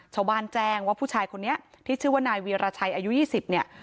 ชาวบ้านแจ้งว่าผู้ชายคนนี้ที่ชื่อว่านายวีรชัยอายุ๒๐เนี่ย